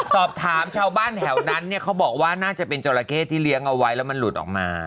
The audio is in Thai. สอบถามชาวบ้านแถวนั้นเนี่ยเขาบอกว่าน่าจะเป็นจราเข้ที่เลี้ยงเอาไว้แล้วมันหลุดออกมา